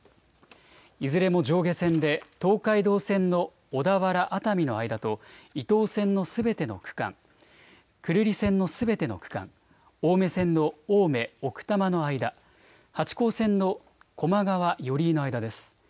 いずれも上下線で東海道線の小田原・熱海の間と伊東線のすべての区間、久留里線のすべての区間、青梅線の青梅・奥多摩の間、八高線の高麗川・寄居の間です。